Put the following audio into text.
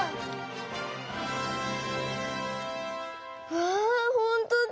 わあほんとだ。